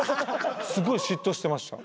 すごい嫉妬してました。